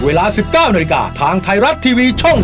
เวลา๑๙นทางไทรัชทีวีห้อง๓๒